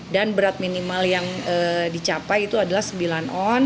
dan berat minimal yang dicapai itu adalah sembilan on